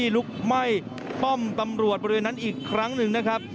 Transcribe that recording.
ลุกไหม้ป้อมตำรวจบริเวณนั้นอีกครั้งหนึ่งนะครับ